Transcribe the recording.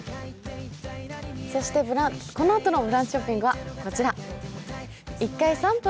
このあとのブランチショッピングはこちら。